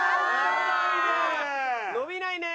伸びないね。